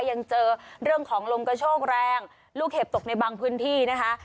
ยังเจอเรื่องของลมกระโชกแรงลูกเห็บตกในบางพื้นที่นะคะ